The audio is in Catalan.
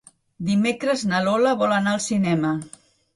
Dimecres na Lola vol anar al cinema.